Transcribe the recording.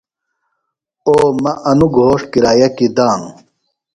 او مہ انوۡ گھوݜٹ کرایہ کیۡ دانوۡ۔